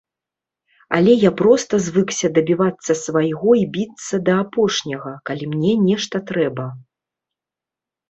Але я проста звыкся дабівацца свайго і біцца да апошняга, калі мне нешта трэба.